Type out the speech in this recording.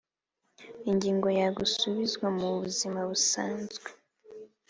Ingingo ya gusubizwa mu buzima busanzwe